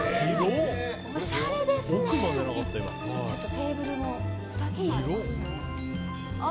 テーブルも２つもありますよ。